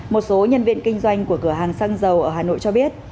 một số nhân viên kinh doanh của cửa hàng xăng dầu ở hà nội cho biết